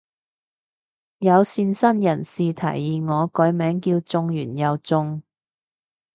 有善心人士提議我改名叫中完又中